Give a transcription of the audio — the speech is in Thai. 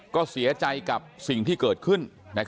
ก็เสียใจกับสิ่งที่เกิดขึ้น